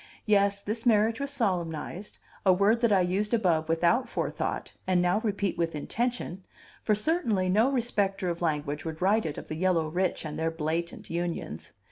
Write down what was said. Yes, this marriage was solemnized, a word that I used above without forethought, and now repeat with intention; for certainly no respecter of language would write it of the yellow rich and their blatant unions.